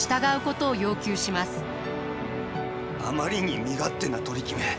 あまりに身勝手な取り決め。